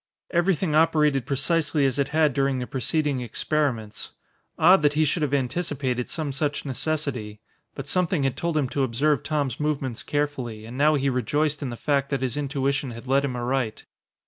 Everything operated precisely as it had during the preceding experiments. Odd that he should have anticipated some such necessity! But something had told him to observe Tom's movements carefully, and now he rejoiced in the fact that his intuition had led him aright.